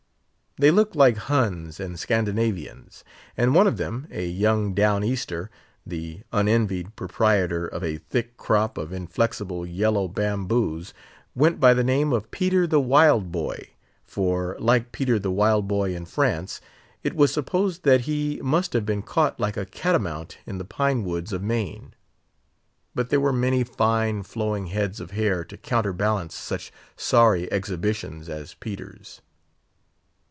They looked like Huns and Scandinavians; and one of them, a young Down Easter, the unenvied proprietor of a thick crop of inflexible yellow bamboos, went by the name of Peter the Wild Boy; for, like Peter the Wild Boy in France, it was supposed that he must have been caught like a catamount in the pine woods of Maine. But there were many fine, flowing heads of hair to counter balance such sorry exhibitions as Peter's.